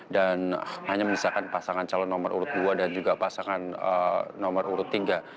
dan hanya menyesakan pasangan calon nomor urut dua dan juga pasangan nomor urut tiga